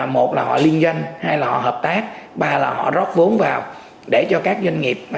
một là họ liên doanh hay là họ hợp tác ba là họ rót vốn vào để cho các doanh nghiệp